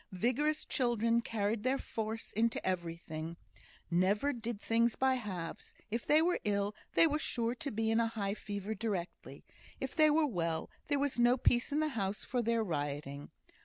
Vigorous children carried their force into everything; never did things by halves; if they were ill, they were sure to be in a high fever directly; if they were well, there was no peace in the house for their rioting.